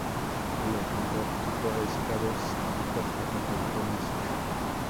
La localidad tipo es "Cabo San Lucas, Baja California Sur.